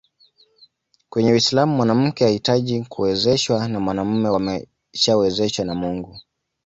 Kwenye Uislamu mwanamke hahitaji kuwezeshwa na mwanaume wameshawezeshwa na Mungu